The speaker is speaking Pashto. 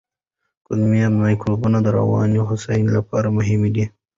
کولمو مایکروبیوم د رواني هوساینې لپاره مهم دی.